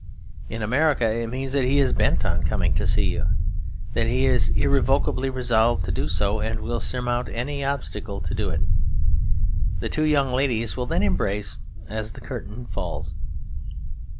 In American it means that he is bent on coming to see you, that he is irrevocably resolved to do so, and will surmount any obstacle to do it. The two young ladies will then embrace as the curtain falls.